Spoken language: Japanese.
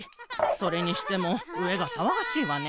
それにしてもうえがさわがしいわね。